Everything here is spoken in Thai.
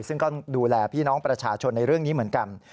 ซึ่งก็ดูแลพี่น้องประชาชนในเรื่องนี้เหมือนกัน